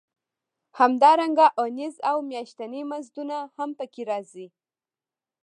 همدارنګه اونیز او میاشتني مزدونه هم پکې راځي